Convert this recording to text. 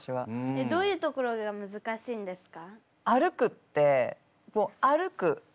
えっどういうところがむずかしいんですか？